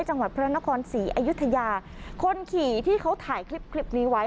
จังหวัดพระนครศรีอยุธยาคนขี่ที่เขาถ่ายคลิปคลิปนี้ไว้